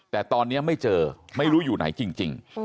แต่ตอนนี้ไม่เจอไม่รู้อยู่ไหนจริง